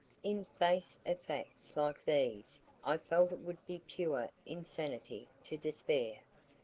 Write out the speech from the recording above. In face of facts like these I felt it would be pure insanity to despair.